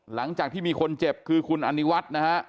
หลังจากที่มีคนเจ็บคือคุณอนิวัฒน์นะฮะ